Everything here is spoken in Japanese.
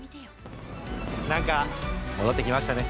なんか、戻ってきましたね。